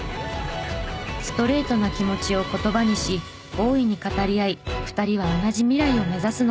ストレートな気持ちを言葉にし大いに語り合い２人は同じ未来を目指すのです。